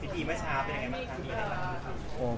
พีทีเมื่อเช้าดีกว่านี้แบบ